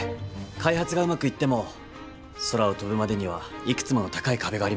開発がうまくいっても空を飛ぶまでにはいくつもの高い壁があります。